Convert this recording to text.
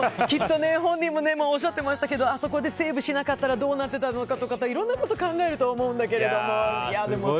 きっと本人もおっしゃっていましたけどあそこでセーブしなかったらどうなってたのかとかいろんなこと考えると思うんだけど。